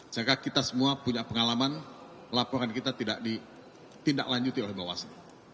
sehingga kita semua punya pengalaman laporan kita tidak ditindaklanjuti oleh bawaslu